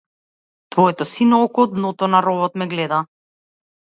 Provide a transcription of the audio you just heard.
Твоето сино око од дното на ровот ме гледа.